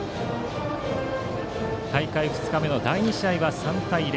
大会２日目の第２試合は３対０。